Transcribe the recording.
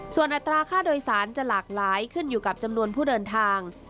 ส่วนอัตราค่าโดยสารจะหลากหลายขึ้นอยู่กับจำนวนผู้เดินทาง